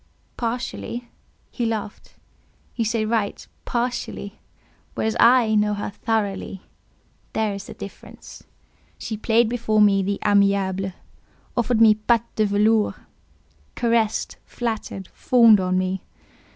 "Partially." He laughed. "You say right—'partially'; whereas I know her thoroughly; there is the difference. She played before me the amiable; offered me patte de velours; caressed, flattered, fawned on me.